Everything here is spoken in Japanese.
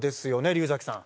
竜崎さん